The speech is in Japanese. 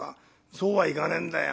「そうはいかねえんだよ。